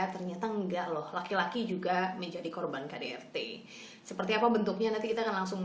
ternyata enggak loh laki laki juga menjadi korban kdrt seperti apa bentuknya nanti kita akan langsung